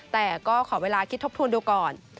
แต่ก็ขอเวลาคิดทบทวนดูก่อน